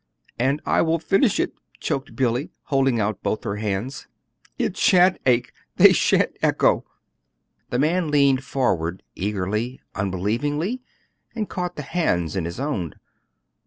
"And I will finish it," choked Billy, holding out both her hands. "It sha'n't ache they sha'n't echo!" The man leaned forward eagerly, unbelievingly, and caught the hands in his own.